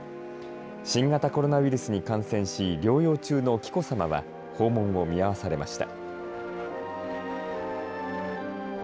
新型コロナウイルスに感染し療養中の紀子さまは訪問を見合わされました。